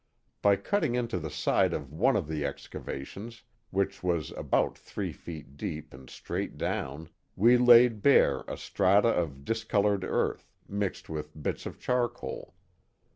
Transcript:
By cutting into the side of one of the excavations (which was about three feet deep and straight down) we laid bare a strata of discolored earth, mixed with bits of charcoal.